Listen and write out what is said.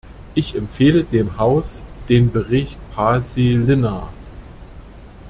Ich empfehle dem Haus den Bericht Paasilinna.